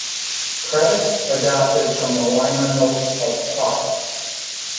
Credits adapted from the liner notes of "Hot".